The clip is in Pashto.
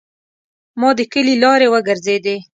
ما د کلي لارې وګرځیدې.